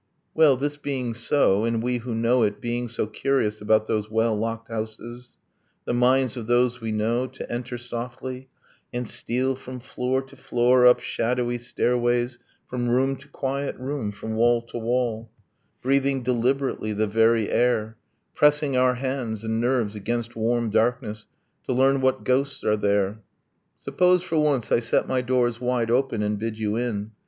Well, this being so, and we who know it being So curious about those well locked houses, The minds of those we know, to enter softly, And steal from floor to floor up shadowy stairways, From room to quiet room, from wall to wall, Breathing deliberately the very air, Pressing our hands and nerves against warm darkness To learn what ghosts are there, Suppose for once I set my doors wide open And bid you in.